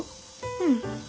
うん。